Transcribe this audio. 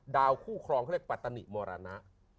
ดาวคู่คลองก็คือปรัตนิบมรณะ